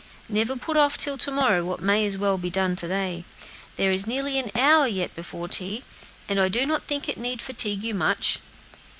"No; never put off till to morrow what may as well be done to day. There is nearly an hour yet before tea, and I do not think it need fatigue you much."